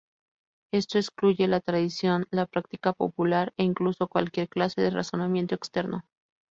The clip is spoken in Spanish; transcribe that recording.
Esto excluye la tradición, la práctica popular e incluso cualquier clase de razonamiento externo.